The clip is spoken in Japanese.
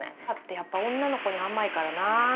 パパって、やっぱ女の子に甘いからなぁ。